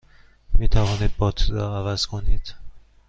می توانید باتری را عوض کنید؟